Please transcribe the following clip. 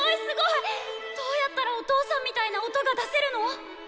どうやったらお父さんみたいな音が出せるの！？